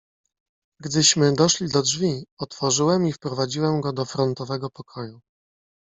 "Gdyśmy doszli do drzwi, otworzyłem i wprowadziłem go do frontowego pokoju."